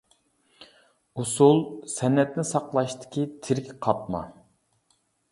ئۇسۇل — سەنئەتنى ساقلاشتىكى تىرىك قاتما.